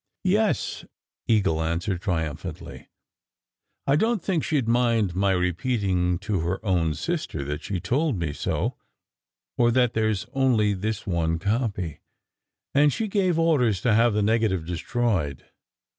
"Yes," Eagle answered triumphantly. "I don t think she d mind my repeating to her own sister that she told me so, or that there s only this one copy, and she gave orders to have the negative destroyed."